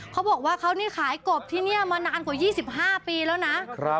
เขาบอกว่าเขานี่ขายกบที่นี่มานานกว่า๒๕ปีแล้วนะ